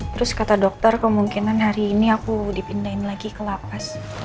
terus kata dokter kemungkinan hari ini aku dipindahin lagi ke lapas